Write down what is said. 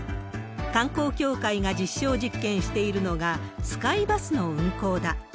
観光協会が実証実験しているのが、スカイバスの運行だ。